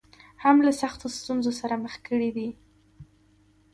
هم له سختو ستونزو سره مخ کړې دي.